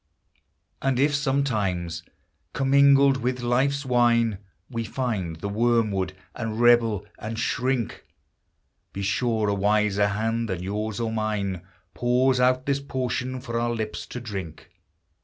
And if sometimes, commingled with life's wine, We find the wormwood, and rebel and shrink, Be sure a wiser hand than yours or mine Pours out this potion for our lips to drink.